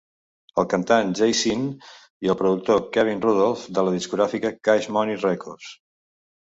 El cantant Jay Sean i el productor Kevin Rudolf de la discogràfica Cash Money Records.